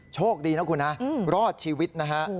โชคดีนะคุณนะรอดชีวิตนะฮะ